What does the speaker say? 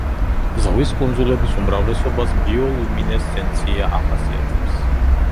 ზღვის კუნძულების უმრავლესობას ბიოლუმინესცენცია ახასიათებს.